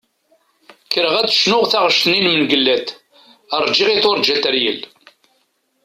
Kkreɣ ad d-cnuɣ taɣect-nni n Mengellat "Rğiɣ i turğa teryel".